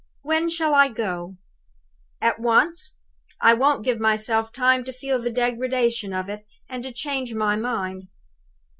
When shall I go? At once! I won't give myself time to feel the degradation of it, and to change my mind."